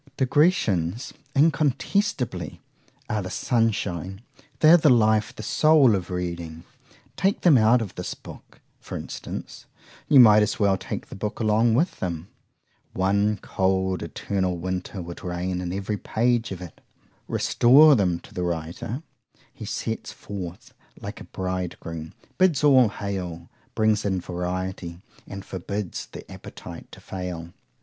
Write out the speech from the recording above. Digressions, incontestably, are the sunshine;——they are the life, the soul of reading!—take them out of this book, for instance,—you might as well take the book along with them;—one cold eternal winter would reign in every page of it; restore them to the writer;—he steps forth like a bridegroom,—bids All hail; brings in variety, and forbids the appetite to fail.